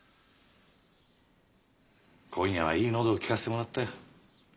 今夜はいい喉を聞かせてもらったよ。